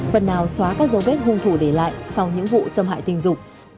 phần nào xóa các dấu vết hung thủ để lại sau những vụ xâm hại tình dục